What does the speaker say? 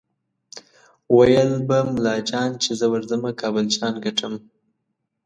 ویل به ملا جان چې زه ورځمه کابل جان ګټم